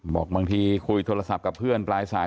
บอกบางทีคุยโทรศัพท์กับเพื่อนปลายสาย